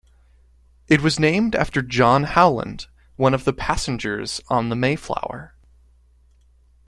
It was named after John Howland, one of the passengers on the "Mayflower".